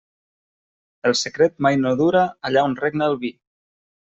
El secret mai no dura allà on regna el vi.